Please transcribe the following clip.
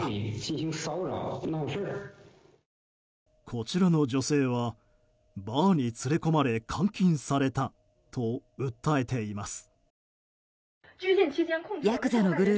こちらの女性はバーに連れ込まれ監禁されたと訴えています。